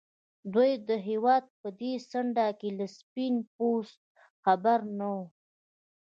دوی د هېواد په دې څنډه کې له سپين پوستو خبر نه وو.